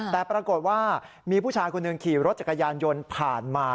แต่ปรากฏว่ามีผู้ชายคนหนึ่งขี่รถจักรยานยนต์ผ่านมา